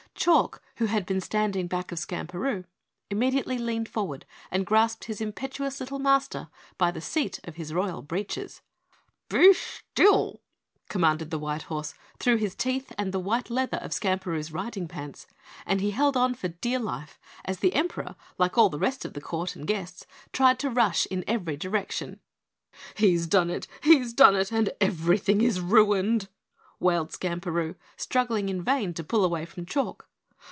Chalk, who had been standing back of Skamperoo, immediately leaned forward and grasped his impetuous little Master by the seat of his Royal Breeches. "Be still!" commanded the white horse through his teeth and the white leather of Skamperoo's riding pants, and he held on for dear life as the Emperor, like all the rest of the court and guests tried to rush in every direction. "He's done it! He's done it, and everything, is ruined," wailed Skamperoo, struggling in vain to pull away from Chalk.